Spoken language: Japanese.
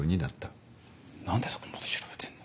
何でそこまで調べてんだ。